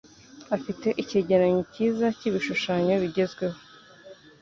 Afite icyegeranyo cyiza cyibishushanyo bigezweho.